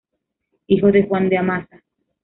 Hijo de Juan de Amasa.